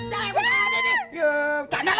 jangan jangan jangan